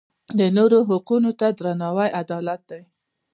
د نورو حقونو ته درناوی عدالت دی.